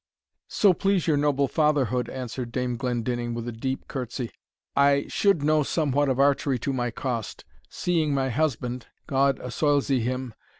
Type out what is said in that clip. "So please your noble fatherhood," answered Dame Glendinning with a deep curtsy, "I should know somewhat of archery to my cost, seeing my husband God assoilzie him!